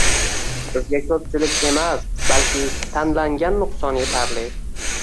Bizga ko'pchilik emas, balki tanlangan nuqson etarli